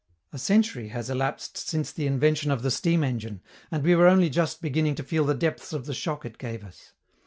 A century has elapsed since the invention of the steam engine, and we are only just beginning to feel the depths of the shock it gave us.